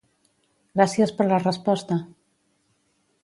Gràcies per la resposta!